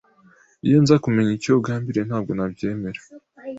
Iyo nza kumenya icyo ugambiriye, ntabwo nabyemera.